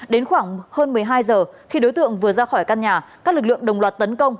đến khoảng hơn một mươi hai giờ khi đối tượng vừa ra khỏi căn nhà các lực lượng đồng loạt tấn công